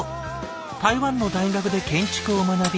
台湾の大学で建築を学び